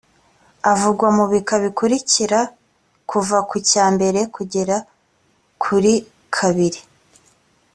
avugwa mu bika bikurikira kuva ku cyambere kugera kurikabiri.